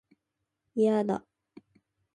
いやだ